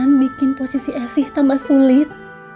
dengan bikin posisi esy tambah sulit